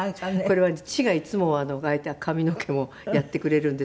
これは父がいつもああやって髪の毛をやってくれるんですけど。